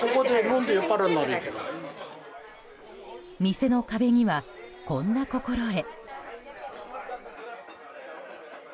店の壁にはこんな心得。